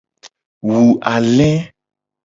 Wu ale.